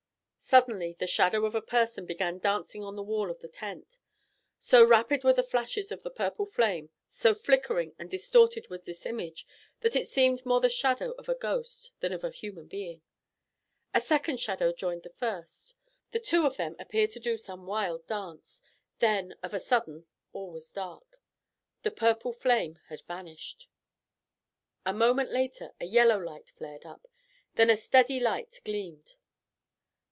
Suddenly the shadow of a person began dancing on the wall of the tent. So rapid were the flashes of the purple flame, so flickering and distorted was this image, that it seemed more the shadow of a ghost than of a human being. A second shadow joined the first. The two of them appeared to do some wild dance. Then, of a sudden, all was dark. The purple flame had vanished. A moment later a yellow light flared up. Then a steady light gleamed.